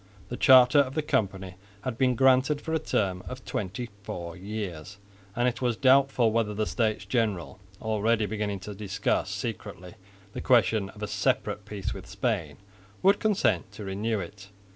The charter of the company had been granted for a term of twenty four years, and it was doubtful whether the States General, already beginning to discuss secretly the question of a separate peace with Spain, would consent to renew it.